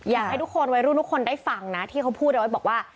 อยากให้ทุกคนวัยรุ่นทุกคนได้ฟังนะที่เขาพูดเอาไว้บอกว่า